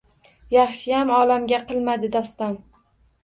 Yaxshiyam olamga qilmadi doston